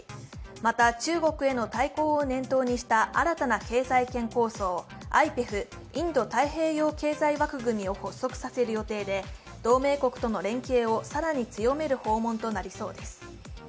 また中国への対抗を念頭にした新たな経済圏構想、ＩＰＥＦ＝インド太平洋経済枠組みを発足させる予定で同盟国との連携を更に強める訪問となりそうです。